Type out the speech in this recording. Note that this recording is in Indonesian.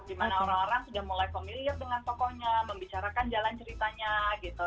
dimana orang orang sudah mulai familiar dengan tokohnya membicarakan jalan ceritanya gitu